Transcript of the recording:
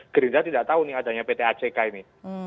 gerindra tidak tahu nih adanya pt ack ini